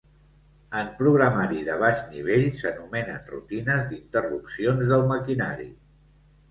En programari de baix nivell s'anomenen rutines d'interrupcions del maquinari.